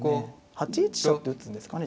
８一飛車って打つんですかね